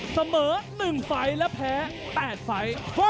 เสมอ๑ไฟล์และแพ้๘ไฟล์